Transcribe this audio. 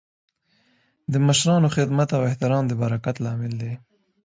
د مشرانو خدمت او احترام د برکت لامل دی.